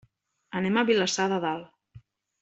Anem a Vilassar de Dalt.